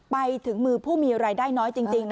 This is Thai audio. ไปถึงมือผู้มีรายได้น้อยจริง